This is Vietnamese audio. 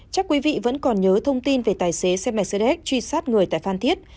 chắc quý vị vẫn còn nhớ thông tin về tài xế xe mercedes truy sát người tại phan thiết